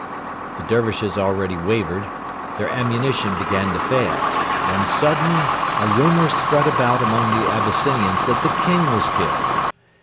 The Dervishes already wavered; their ammunition began to fail, when suddenly a rumour spread about among the Abyssinians that the King was killed.